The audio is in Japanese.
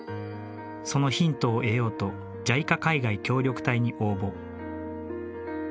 そのヒントを得ようとＪＩＣＡ海外協力隊に応募。